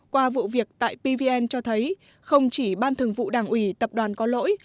qua vụ việc tại pvn cho thấy không chỉ ban thường vụ đảng ủy tập đoàn có lỗi